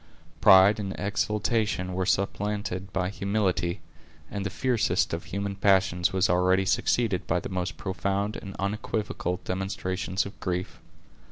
Pride and exultation were supplanted by humility, and the fiercest of human passions was already succeeded by the most profound and unequivocal demonstrations of grief.